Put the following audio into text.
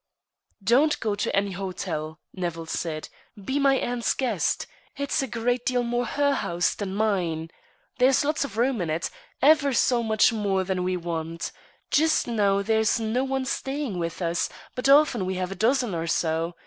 "Don't go to any hotel," Nevill said. "Be my aunt's guest. It's a great deal more her house than mine. There's lots of room in it ever so much more than we want. Just now there's no one staying with us, but often we have a dozen or so.